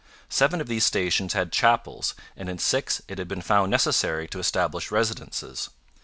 Seven of these stations had chapels and in six it had been found necessary to establish residences.